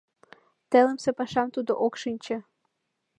Телымсе пашам тудо ок шинче.